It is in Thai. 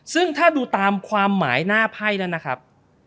ซึ่งถ้าดูตามความหมายหน้าไพ่นั้นนะครับ